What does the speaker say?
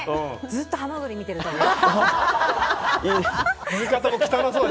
ずっとハマグリ見てると思う。